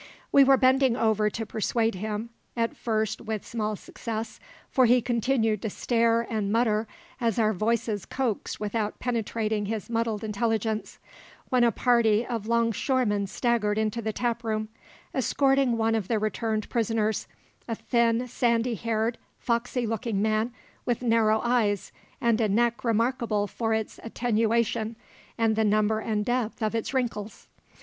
We were bending over him to persuade him at first, with small success, for he continued to stare and mutter as our voices coaxed without penetrating his muddled intelligence when a party of 'longshoremen staggered into the taproom, escorting one of the returned prisoners, a thin, sandy haired, foxy looking man, with narrow eyes and a neck remarkable for its attenuation and the number and depth of its wrinkles.